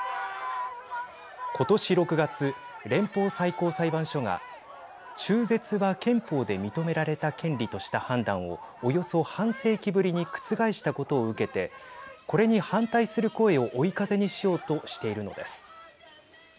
今年６月、連邦最高裁判所が中絶は憲法で認められた権利とした判断をおよそ半世紀ぶりに覆したことを受けてこれに反対する声を追い風にしようとしているのです。